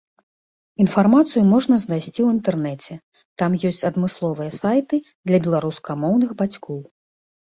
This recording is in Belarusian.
Інфармацыю можна знайсці ў інтэрнэце, там ёсць адмысловыя сайты для беларускамоўных бацькоў.